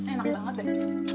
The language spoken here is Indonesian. enak banget deh